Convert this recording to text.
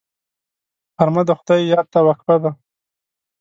غرمه د خدای یاد ته وقفه ده